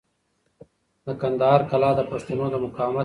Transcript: د کندهار کلا د پښتنو د مقاومت نښه ده.